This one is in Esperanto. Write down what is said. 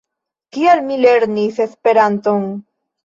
Kial mi lernis Esperanton?